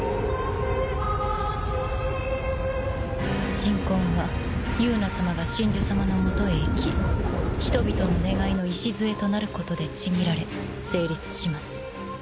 神婚は友奈様が神樹様のもとへ行き人々の願いの礎となることで契られ成立します。